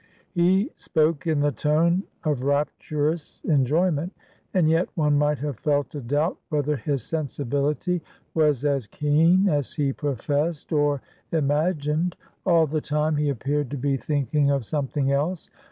He spoke in the tone of rapturous enjoyment, and yet one might have felt a doubt whether his sensibility was as keen as he professed or imagined; all the time, he appeared to be thinking of something else.